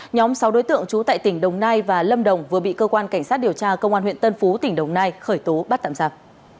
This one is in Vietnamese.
nhóm sáu đối tượng trú tại tỉnh đồng nai và lâm đồng vừa bị cơ quan cảnh sát điều tra công an huyện tân phú tỉnh đồng nai khởi tố bắt tạm giặc